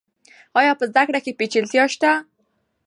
آیا په زده کړه کې پیچلتیا شته؟